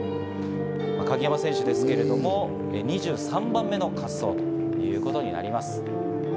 鍵山選手ですけれども、２３番目の滑走ということになります。